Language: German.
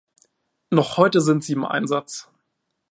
Noch heute sind sie im Einsatz.